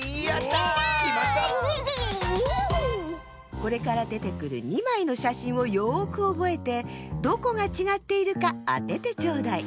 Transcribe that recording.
これからでてくる２まいのしゃしんをよくおぼえてどこがちがっているかあててちょうだい。